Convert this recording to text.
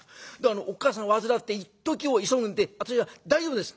「おっ母さん患っていっときを急ぐんで私は大丈夫です」。